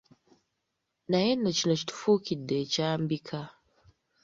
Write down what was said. Naye nno kino kitufuukidde ekyambika.